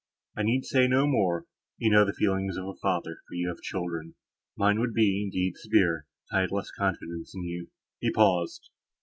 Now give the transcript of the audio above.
I need say no more—you know the feelings of a father, for you have children; mine would be, indeed, severe if I had less confidence in you." He paused.